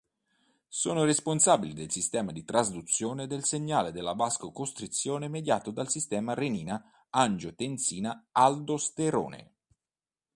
Sono responsabili del sistema di trasduzione del segnale della vasocostrizione mediato dal sistema renina-angiotensina-aldosterone.